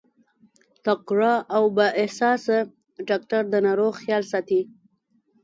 تکړه او با احساسه ډاکټر د ناروغ خيال ساتي.